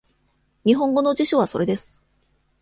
日本語の辞書はそれです。